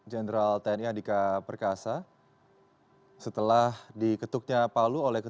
ga mana semuanya agek